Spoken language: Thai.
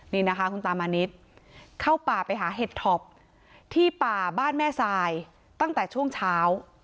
นี่นะคะคุณตามานิดเข้าป่าไปหาเห็ดท็อปที่ป่าบ้านแม่ทรายตั้งแต่ช่วงเช้า